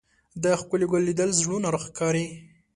د ښکلي ګل لیدل زړونه راښکاري